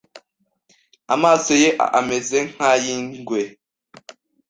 Amaso ye ameze nkay'ingwe.